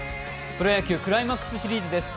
プロ野球クライマックスシリーズです。